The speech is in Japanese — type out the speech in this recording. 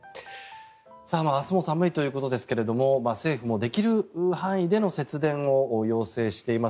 明日も寒いということですが政府もできる範囲での節電を要請しています。